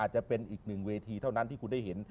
จะเป็นอีกหนึ่งเวทีเท่านั้นที่คุณได้เห็น